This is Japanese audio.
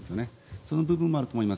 その部分もあると思います。